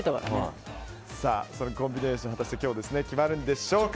そのコンビネーションは今日、決まるのでしょうか。